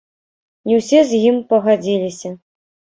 Не ўсе з ім пагадзіліся.